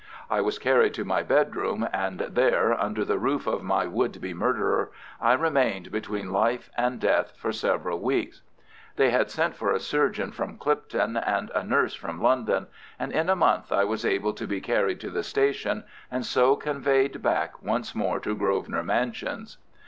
I was carried to my bedroom, and there, under the roof of my would be murderer, I remained between life and death for several weeks. They had sent for a surgeon from Clipton and a nurse from London, and in a month I was able to be carried to the station, and so conveyed back once more to Grosvenor Mansions.